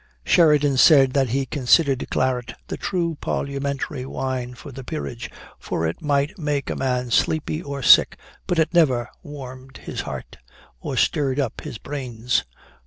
"Sheridan said that he considered claret the true parliamentary wine for the peerage, for it might make a man sleepy or sick, but it never warmed his heart, or stirred up his brains.